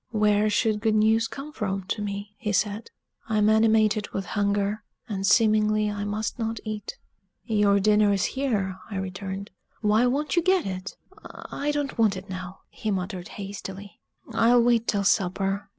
"Where should good news come from to me?" he said. "I'm animated with hunger; and seemingly I must not eat." "Your dinner is here," I returned: "why won't you get it?" "I don't want it now," he muttered hastily. "I'll wait till supper.